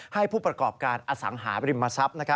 ให้ผู้ประกอบการอสังหาบริมทรัพย์